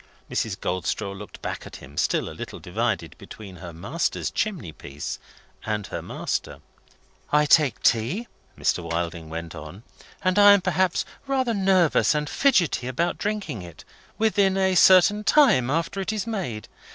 Mrs. Goldstraw looked back at him, still a little divided between her master's chimney piece and her master. "I take tea," Mr. Wilding went on; "and I am perhaps rather nervous and fidgety about drinking it, within a certain time after it is made.